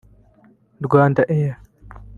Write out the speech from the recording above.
RwandAir